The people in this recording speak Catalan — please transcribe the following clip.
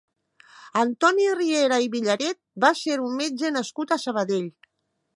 Antoni Riera i Villaret va ser un metge nascut a Sabadell.